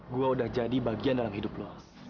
gua udah jadi bagian dalam hidup lu